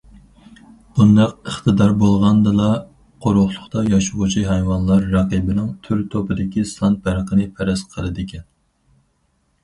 بۇنداق ئىقتىدار بولغاندىلا، قۇرۇقلۇقتا ياشىغۇچى ھايۋانلار رەقىبىنىڭ تۈر توپىدىكى سان پەرقىنى پەرەز قىلىدىكەن.